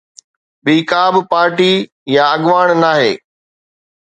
ٻي ڪا به پارٽي يا اڳواڻ ناهي.